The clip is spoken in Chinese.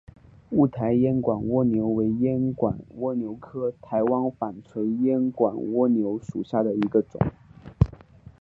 雾台烟管蜗牛为烟管蜗牛科台湾纺锤烟管蜗牛属下的一个种。